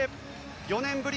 ４年ぶり